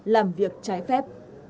làm việc trái phép